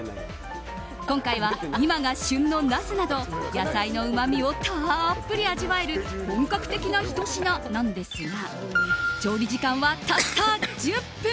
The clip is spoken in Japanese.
今回は、今が旬のナスなど野菜のうまみをたっぷり味わえる本格的なひと品なんですが調理時間は、たった１０分！